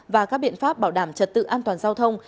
và các biện pháp bảo đảm trật tự an toàn giao thông